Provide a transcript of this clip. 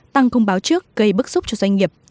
tăng công báo trước gây bức xúc cho doanh nghiệp